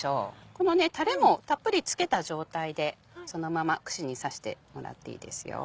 このタレもたっぷりつけた状態でそのまま串に刺してもらっていいですよ。